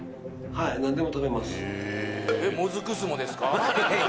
はい何でも食べます